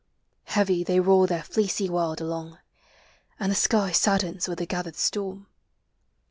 Heavy they roll their fleecy world along; And the sky saddens with the gathered storm.